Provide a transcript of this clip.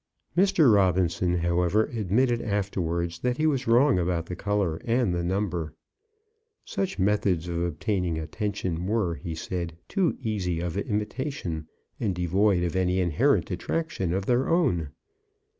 Mr. Robinson, however, admitted afterwards that he was wrong about the colour and the number. Such methods of obtaining attention were, he said, too easy of imitation, and devoid of any inherent attraction of their own.